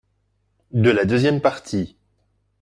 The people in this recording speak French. de la deuxième partie.